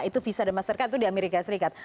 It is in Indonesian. itu visa dan mastercard itu di amerika serikat